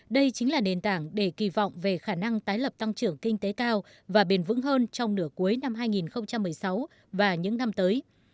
đây chính là nền tảng để kỳ vọng về khả năng tái lập tăng trưởng kinh tế cao và bền vững hơn trong nửa cuối năm hai nghìn một mươi sáu và những năm tới